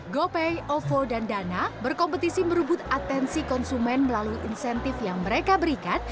gopay ovo dan dana berkompetisi merebut atensi konsumen melalui insentif yang mereka berikan